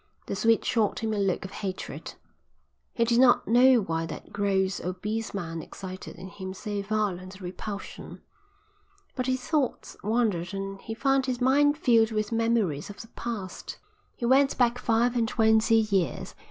The Swede shot him a look of hatred. He did not know why that gross, obese man excited in him so violent a repulsion. But his thoughts wandered and he found his mind filled with memories of the past. He went back five and twenty years.